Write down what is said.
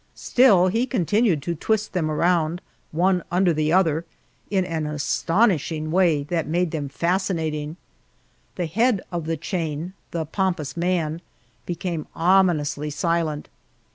Still he continued to twist them around one under the other in an astonishing way, that made them fascinating. The head of the chain the pompous man became ominously silent.